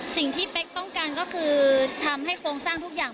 เป๊กต้องการก็คือทำให้โครงสร้างทุกอย่าง